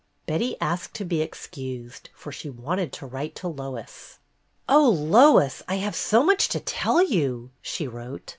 Betty asked to be excused, for she wanted to write to Lois. "Oh, Lois, I have so much to tell you [she wrote].